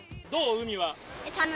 海は。